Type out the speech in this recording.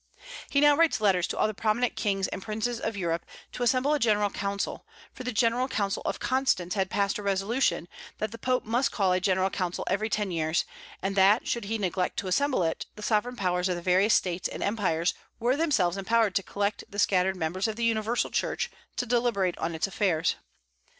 He now writes letters to all the prominent kings and princes of Europe, to assemble a general council; for the general council of Constance had passed a resolution that the Pope must call a general council every ten years, and that, should he neglect to assemble it, the sovereign powers of the various states and empires were themselves empowered to collect the scattered members of the universal Church, to deliberate on its affairs.